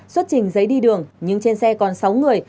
xuất trình giấy đi đường nhưng trên xe còn sáu người